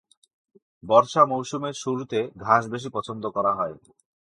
বর্ষা মৌসুমের শুরুতে ঘাস বেশি পছন্দ করা হয়।